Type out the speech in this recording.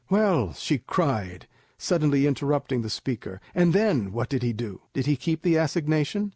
"Well," she cried, suddenly interrupting the speaker, "and then, what did he do? Did he keep the assignation?